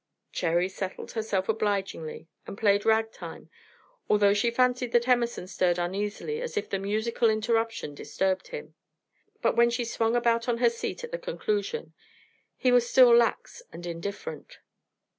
Cherry settled herself obligingly and played ragtime, although she fancied that Emerson stirred uneasily as if the musical interruption disturbed him; but when she swung about on her seat at the conclusion, he was still lax and indifferent.